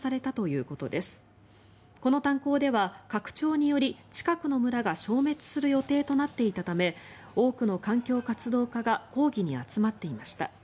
この炭鉱では拡張により近くの村が消滅する予定となっていたため多くの環境活動家が抗議に集まっていました。